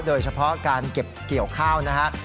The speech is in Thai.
โดยเฉพาะการเก็บเกี่ยวข้าวนะฮะ